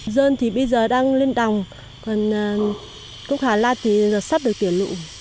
dơn thì bây giờ đang lên đồng còn cúc hà lan thì sắp được tiểu lụ